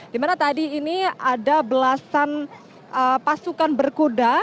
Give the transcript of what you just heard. dimana tadi ini ada belasan pasukan berkuda